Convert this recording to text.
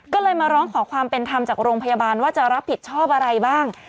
ก็เลยมาร้องขอความเป็นธรรมจากโรงพยาบาลว่าจะรับผิดชอบอะไรบ้าง